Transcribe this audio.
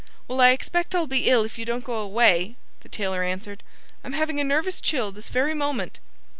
"Well, I expect I'll be ill if you don't go away," the tailor answered. "I'm having a nervous chill this very moment."